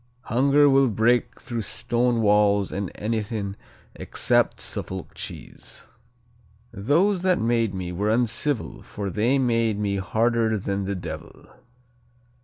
"Hunger will break through stone walls and anything except a Suffolk cheese." "Those that made me were uncivil For they made me harder than the devil.